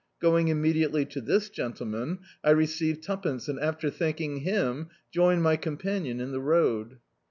Going immediately to this gentle man, I received twopence and, after thanking him, joined my companion in the road.